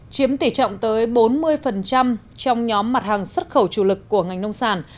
chiếm tỷ trọng tới bốn mươi trong nhóm mặt hàng xuất khẩu chủ lực của ngành nông sản